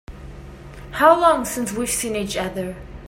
How long since we've seen each other?